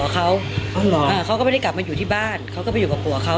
เขาก็ไม่ได้กลับมาอยู่ที่บ้านเขาก็ไปอยู่กับผัวเขา